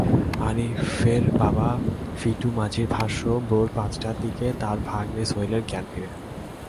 আরিফের বাবা ফিটু মাঝির ভাষ্য, ভোর পাঁচটার দিকে তাঁর ভাগনে সোহেলের জ্ঞান ফেরে।